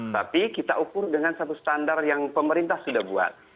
tapi kita ukur dengan satu standar yang pemerintah sudah buat